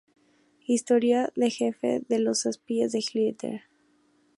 Historia del jefe de los espías de Hitler".